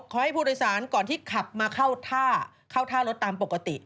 ขอให้ผู้โดยสารก่อนที่ขับมาเข้าท่าเข้าท่ารถตามปกติ